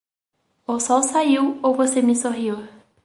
O sol saiu ou você me sorriu?